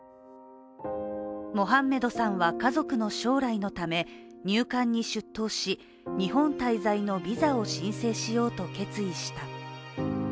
モハンメドさんは家族の将来のため入管に出頭し、日本滞在のビザを申請しようと決意した。